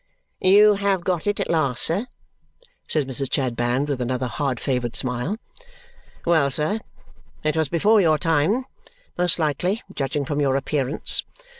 "You have got it at last, sir," says Mrs. Chadband with another hard favoured smile. "Well, sir, it was before your time, most likely, judging from your appearance.